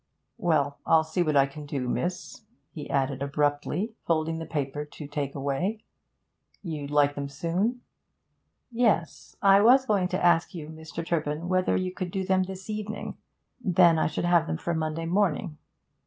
'Well, I'll see what I can do, miss,' he added abruptly, folding the paper to take away. 'You'd like them soon?' 'Yes. I was going to ask you, Mr. Turpin, whether you could do them this evening. Then I should have them for Monday morning.'